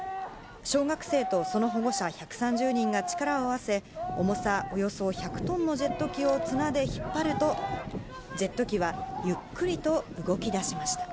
小学生とその保護者１３０人が力を合わせ、重さおよそ１００トンのジェット機を綱で引っ張ると、ジェット機はゆっくりと動きだしました。